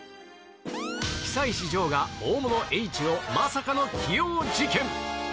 久石譲が大物Ｈをまさかの起用事件。